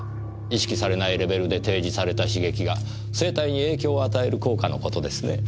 意識されないレベルで提示された刺激が生体に影響を与える効果のことですね。